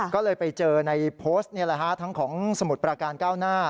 ก็เลยไปเจอในโพสต์นี่แหละฮะทั้งของสมุทรประการก้าวหน้า